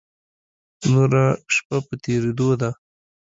نوره شپه په تېرېدو ده.